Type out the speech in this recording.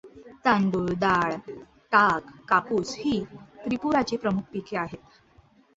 तांदूळ, डाळ, ताग, कापूस ही त्रिपुराची प्रमुख पिके आहेत.